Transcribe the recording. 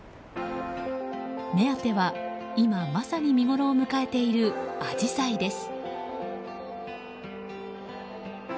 目当ては、今まさに見ごろを迎えているアジサイです。